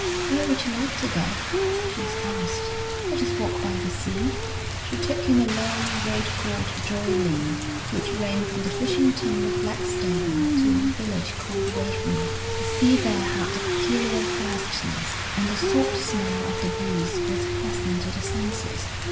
'Where would you like to go?' she asked. 'Let us walk by the sea.' She took him along a road called Joy Lane, which ran from the fishing town of Blackstable to a village called Waveney. The sea there had a peculiar vastness, and the salt smell of the breeze was pleasant to the senses.